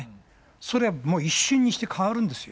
それはもう一瞬にして変わるんですよ。